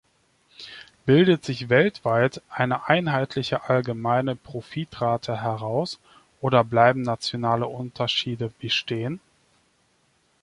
Bildet sich weltweit eine einheitliche allgemeine Profitrate heraus oder bleiben nationale Unterschiede bestehen?